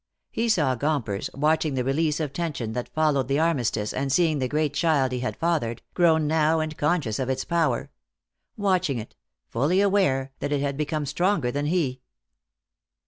He saw Gompers, watching the release of tension that followed the armistice and seeing the great child he had fathered, grown now and conscious of its power, watching it, fully aware that it had become stronger than he.